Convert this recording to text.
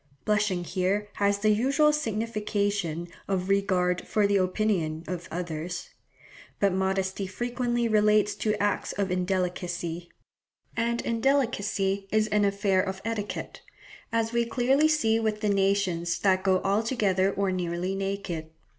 Blushing here has the usual signification of regard for the opinion of others. But modesty frequently relates to acts of indelicacy; and indelicacy is an affair of etiquette, as we clearly see with the nations that go altogether or nearly naked.